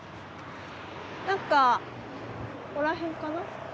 何かここら辺かな。